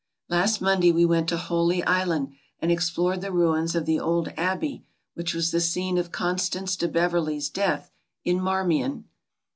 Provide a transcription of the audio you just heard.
Last Monday we went to Holy Island and explored the ruins of the old Abbey which was the scene of Constance de Beverley's death in Marmion.